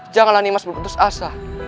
janganlah nimas berputus asa